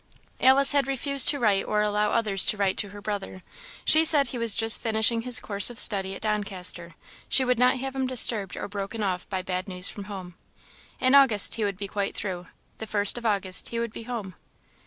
Alice had refused to write or allow others to write to her brother. She said he was just finishing his course of study at Doncaster; she would not have him disturbed or broken off by bad news from home. In August he would be quite through; the first of August he would be home.